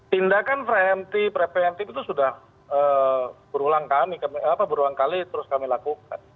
tindakan preventif preventif itu sudah berulang kali terus kami lakukan